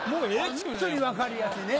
ホントに分かりやすいね。